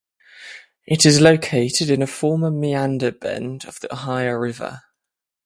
It is located in a former meander bend of the Ohio River.